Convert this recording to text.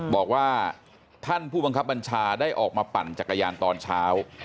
บอกว่าท่านผู้บังคับบัญชาได้ออกมาปั่นจักรยานตอนเช้า